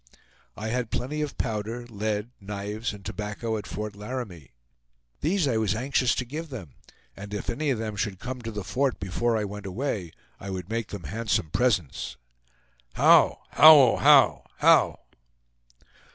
"I had plenty of powder, lead, knives, and tobacco at Fort Laramie. These I was anxious to give them, and if any of them should come to the fort before I went away, I would make them handsome presents." "How! howo how! how!"